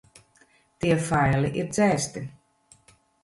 Tie faili ir dzēsti.